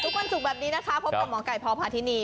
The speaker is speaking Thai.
ทุกวันศุกร์แบบนี้นะคะพบกับหมอไก่พพาธินี